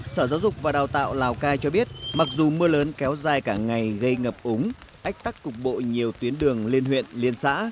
sở giáo dục và đào tạo lào cai cho biết mặc dù mưa lớn kéo dài cả ngày gây ngập úng ách tắc cục bộ nhiều tuyến đường lên huyện liên xã